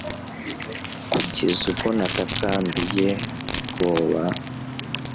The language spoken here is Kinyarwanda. kugeza ubwo natakambiye ubwoba